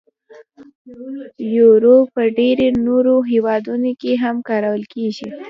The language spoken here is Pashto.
یورو په ډیری نورو هیوادونو کې هم کارول کېږي.